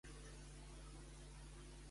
Qui va adoptar a Meliteu?